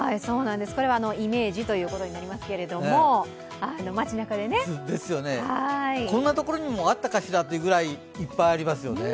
これはイメージということになりますけれどもこんなところにもあったかしらというぐらい、いっぱいありますよね。